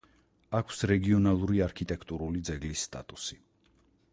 აქვს რეგიონალური არქიტექტურული ძეგლის სტატუსი.